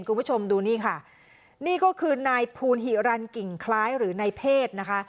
คุณผู้ชมดูนี่ค่ะนี่ก็คือนายภูลหิรันกิ่งคล้ายหรือนายเพศนะคะ